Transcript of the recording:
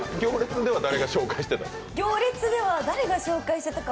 「行列」では誰が紹介してたん？